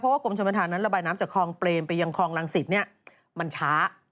เพราะว่ากลมชมฐานนั้นระบายน้ำจากคลองเปรมไปยังคลองลังศิษฐ์เนี่ยมันช้า